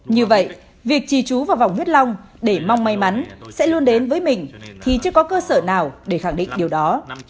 như vậy việc trì chú vào vòng huyết long để mong may mắn sẽ luôn đến với mình thì chưa có cơ sở nào để khẳng định điều đó